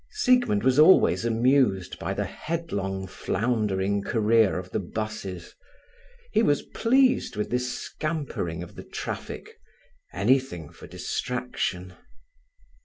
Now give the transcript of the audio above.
Siegmund was always amused by the headlong, floundering career of the buses. He was pleased with this scampering of the traffic; anything for distraction.